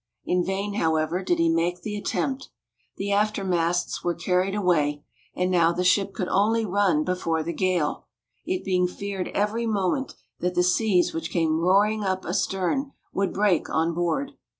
In vain, however, did he make the attempt. The after masts were carried away; and now the ship could only run before the gale, it being feared every moment that the seas which came roaring up astern would break on board.